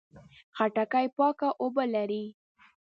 خټکی پاکه اوبه لري.